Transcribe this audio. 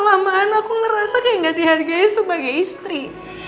tapi lama kelamaan aku ngerasa kayak gak dihargai sebagai istri